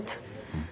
うん。